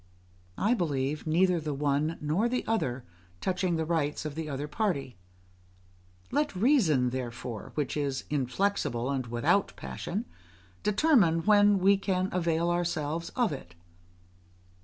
I believe neither the one nor the other touching the rights of the other party; let reason therefore, which is inflexible and without passion, determine when we can avail ourselves of it.